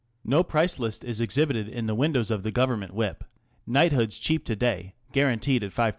No price list is exhibited in the windows of the Government whip :" Knighthoods cheap to day, guaranteed at ,┬Ż5,000.